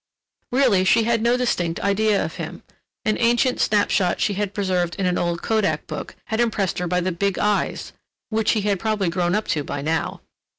Really she had no distinct idea of him. An ancient snap shot she had preserved in an old kodak book had impressed her by the big eyes (which he had probably grown up to by now).